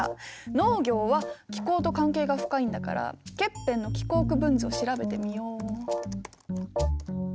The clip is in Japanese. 農業は気候と関係が深いんだからケッペンの気候区分図を調べてみよう。